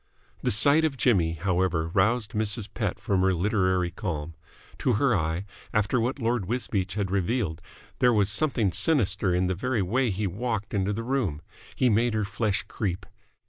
The sight of Jimmy, however, roused Mrs. Pett from her literary calm. To her eye, after what Lord Wisbeach had revealed there was something sinister in the very way in which he walked into the room. He made her flesh creep.